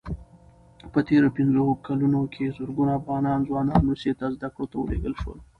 په تېرو پنځو کلونو کې زرګونه افغان ځوانان روسیې ته زدکړو ته ولېږل شول.